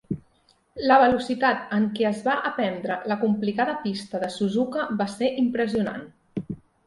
La velocitat en què es va aprendre la complicada pista de Suzuka va ser impressionant.